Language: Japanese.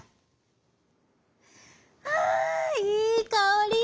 「はあいいかおり。